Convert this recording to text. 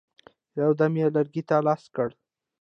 یو دم یې لرګي ته لاس کړ.